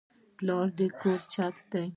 پلار د کور چت دی